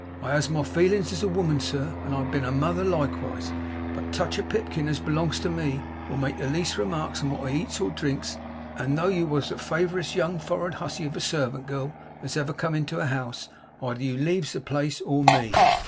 I has my feelins as a woman, sir, and I have been a mother likeways; but touch a pipkin as belongs to me, or make the least remarks on what I eats or drinks, and though you was the favouritest young for'ard hussy of a servant gal as ever come into a house, either you leaves the place, or me.